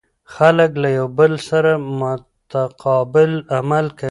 خلک له یو بل سره متقابل عمل کوي.